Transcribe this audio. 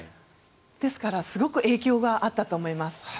ですからすごく影響があったと思います。